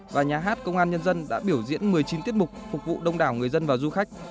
và nhà hát công an nhân dân đã biểu diễn một mươi chín tiết mục phục vụ đông đảo người dân và du khách